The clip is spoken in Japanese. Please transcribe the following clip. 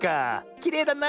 きれいだな。